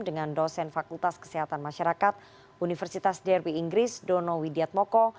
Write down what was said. dengan dosen fakultas kesehatan masyarakat universitas drb inggris dono widiatmoko